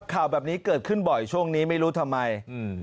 ข่าวแบบนี้เกิดขึ้นบ่อยช่วงนี้ไม่รู้ทำไมอืม